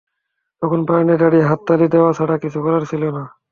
তখন বারান্দায় দাঁড়িয়ে হাততালি দেয়া ছাড়া কিছু করার ছিল না।